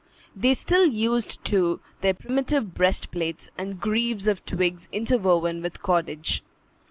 They still used, too, their primitive breastplates and greaves of twigs interwoven with cordage.